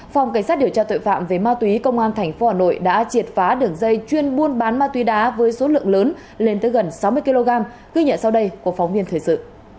phòng cảnh sát điều tra tội phạm về ma túy công an tp hà nội đã triệt phá đường dây chuyên buôn bán ma túy đá với số lượng lớn lên tới gần sáu mươi kg ghi nhận sau đây của phóng viên thời sự